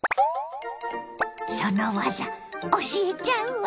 その技教えちゃうわ！